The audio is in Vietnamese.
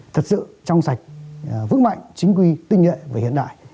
thật sự trong sạch vững mạnh chính quy tinh nhận về hiện đại